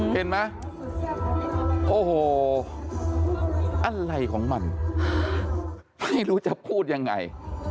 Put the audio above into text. เห็นไหมโอ้โหอะไรของมันไม่รู้จะพูดยังไง